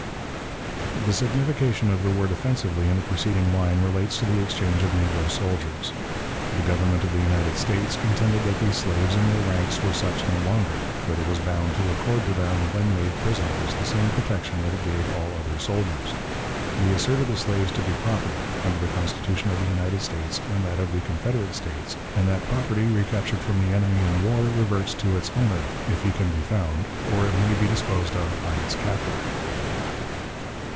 The signification of the word "offensively," in the preceding line, relates to the exchange of negro soldiers. The Government of the United States contended that the slaves in their ranks were such no longer; that it was bound to accord to them, when made prisoners, the same protection that it gave all other soldiers. We asserted the slaves to be property, under the Constitution of the United States and that of the Confederate States, and that property recaptured from the enemy in war reverts to its owner, if he can be found, or it may be disposed of by its captor.